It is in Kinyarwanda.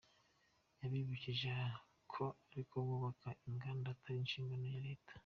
Yabibukije ko ariko kubaka inganda atari inshingano ya Leta.